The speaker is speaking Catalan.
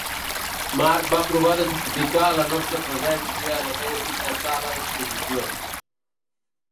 Marc va provar de justificar la nostra presència en aquella digna sala d'exposicions.